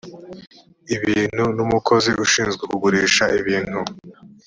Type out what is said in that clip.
ibintu n umukozi ushinzwe kugurisha ibintu